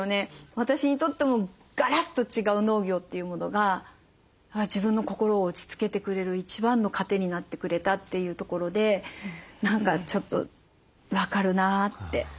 私にとってもガラッと違う農業というものが自分の心を落ち着けてくれる一番の糧になってくれたというところで何かちょっと分かるなって。